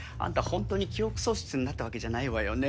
ホントに記憶喪失になったわけじゃないわよね？